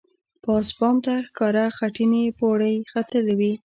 پاس بام ته ښکاره خټینې پوړۍ ختلې وې.